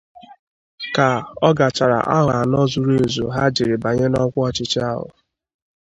Ka ọ gachara ahọ anọ zuru ezu ha jiri banye n'ọkwa ọchịchị ahụ